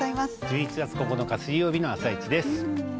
１１月９日水曜日の「あさイチ」です。